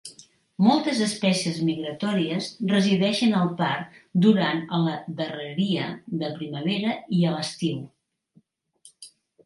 Moltes espècies migratòries resideixen al parc durant a la darreria de primavera i a l'estiu.